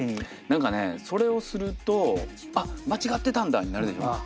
何かねそれをすると「あっ間違ってたんだ！」になるでしょ。